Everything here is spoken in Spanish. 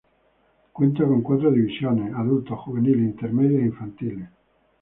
Cuenta con cuatro divisiones: adultos, juveniles, intermedia e infantiles.